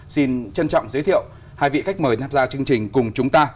xin trân trọng giới thiệu hai vị khách mời tham gia chương trình cùng chúng ta